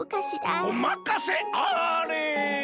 おまかせあれ！